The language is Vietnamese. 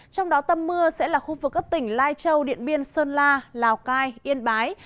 trong đó tâm mưa sẽ là khu vực các tỉnh lai châu điện biên sơn la lào cai yên bái